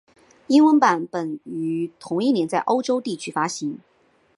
英文版本于同一年在欧洲地区发行。